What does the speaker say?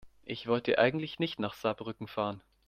Ich wollte eigentlich nicht nach Saarbrücken fahren